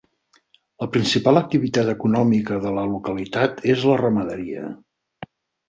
La principal activitat econòmica de la localitat és la ramaderia.